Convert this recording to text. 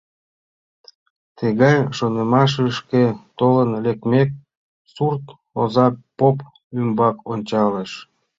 Тыгай шонымашышке толын лекмек, сурт оза поп ӱмбак ончалеш.